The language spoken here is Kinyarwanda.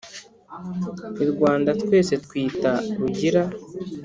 i rwanda twese twita rugira